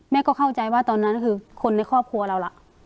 เข้าใจว่าตอนนั้นคือคนในครอบครัวเราล่ะ